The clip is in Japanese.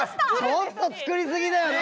ちょっと作り過ぎだよね？